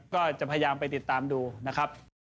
ก็จะพยายามไปติดตามดูนะครับ